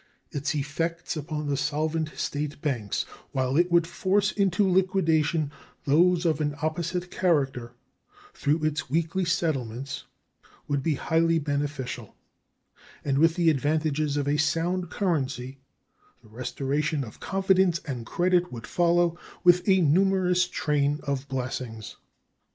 Its effects upon the solvent State banks, while it would force into liquidation those of an opposite character through its weekly settlements, would be highly beneficial; and with the advantages of a sound currency the restoration of confidence and credit would follow with a numerous train of blessings.